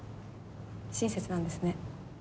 親切なんですね。